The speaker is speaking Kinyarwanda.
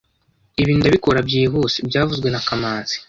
Ibi ndabikora byihuse byavuzwe na kamanzi